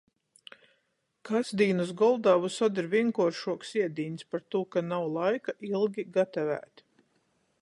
Kasdīnys goldā vysod ir vīnkuoršuoks iedīņs, partū ka nav laika ilgi gatavēt.